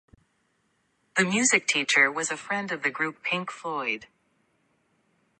The music teacher was a friend of the group Pink Floyd.